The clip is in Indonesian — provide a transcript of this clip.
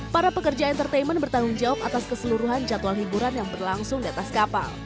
para pekerja entertainment bertanggung jawab atas keseluruhan jadwal liburan yang berlangsung di atas kapal